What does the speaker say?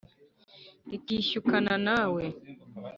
rikishyukana na we.